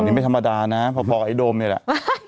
นี่ไม่ธรรมดานะพอไอ้โดมนี่แหละ